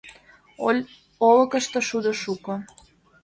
Олыкышто шудо шуко